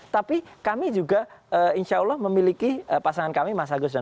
tapi kami juga insya allah memiliki pasangan kami mas agus dan pak burhanuddin